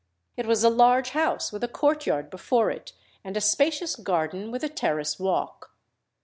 It was a large house with a courtyard before it, and a spacious garden with a terrace walk.